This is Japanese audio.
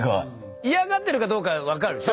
嫌がってるかどうかは分かるでしょ？